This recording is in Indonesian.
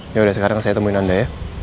yaudah sekarang saya temuin anda ya